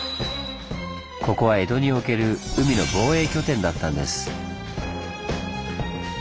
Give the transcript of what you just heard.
ここは江戸における海の防衛拠点だったんです。